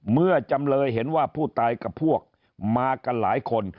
จำเลยเห็นว่าผู้ตายกับพวกมากันหลายคน